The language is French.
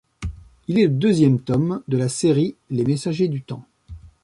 Il est le deuxième tome de la série Les Messagers du Temps.